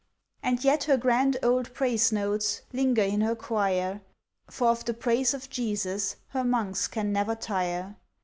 And yet her grand old praise notes Linger in her choir, For of the praise of Jesus, Her Monks can never tire.